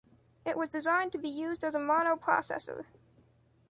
It is designed to be used as a mono-processor.